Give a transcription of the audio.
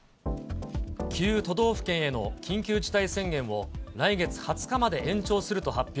９都道府県への緊急事態宣言を、来月２０日まで延長すると発表。